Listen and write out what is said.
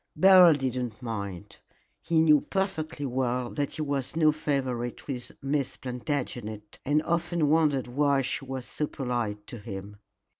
Beryl did not mind. He knew perfectly well that he was no favorite with Miss Plantagenet, and often wondered why she was so polite to him.